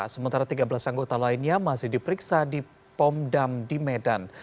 sementara tiga belas anggota lainnya masih diperiksa di pom dam di medan